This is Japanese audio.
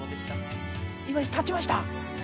今立ちました！